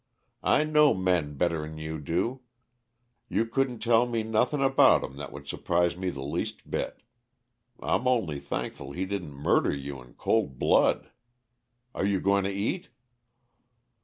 I know men better'n you do; you couldn't tell me nothing about 'em that would su'prise me the least bit. I'm only thankful he didn't murder you in cold blood. Are you going to eat?"